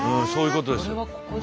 そういうことです。